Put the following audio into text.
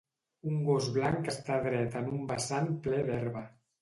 Un gos blanc està dret en un vessant ple d'herba.